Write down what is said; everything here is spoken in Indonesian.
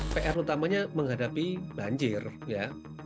pr utamanya menghadapi banjir ya